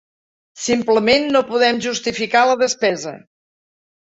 Simplement no podem justificar la despesa.